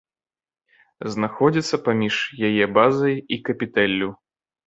Знаходзіцца паміж яе базай і капітэллю.